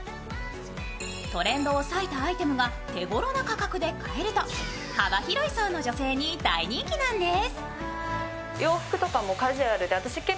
トレンドを押さえたアイテムが手頃な価格で買えると幅広い層の女性に大人気なんです。